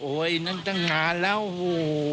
โอ๊ยนั้นตั้งนานแล้วโอ้โฮ